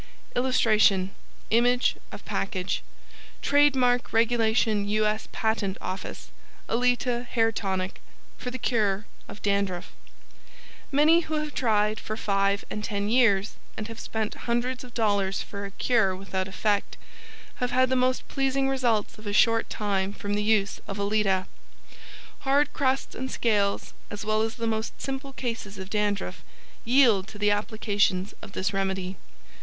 ] [Illustration: Image of package.] TRADE MARK REG. U. S. PATENT OFFICE ALETA HAIR TONIC For the Cure of DANDRUFF Many who have tried for five and ten years, and have spent hundreds of dollars for a cure without effect, have had the most pleasing results in a short time from the use of ALETA. Hard crusts and scales, as well as the most simple cases of dandruff, yield to the applications of this remedy.